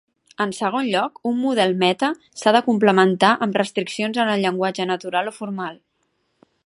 En segon lloc, un model meta s'ha de complementar amb restriccions en el llenguatge natural o formal.